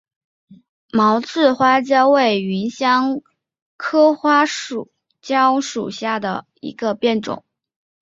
毛刺花椒为芸香科花椒属下的一个变种。